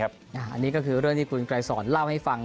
อันนี้ก็คือเรื่องที่คุณไกรสอนเล่าให้ฟัง